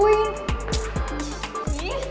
ntar gue nunggu